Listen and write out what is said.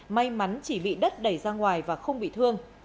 may mắn chỉ bị đất đẩy ra ngoài và không bị thương